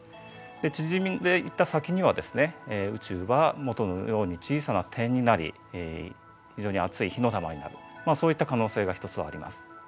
で縮んでいった先にはですね宇宙は元のように小さな点になり非常に熱い火の玉になるそういった可能性が一つはあります。